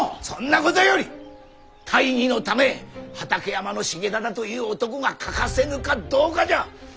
そんなことより大義のため畠山重忠という男が欠かせぬかどうかじゃ。